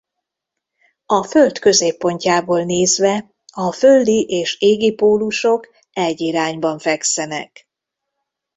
A Föld középpontjából nézve a földi és égi pólusok egy irányban fekszenek.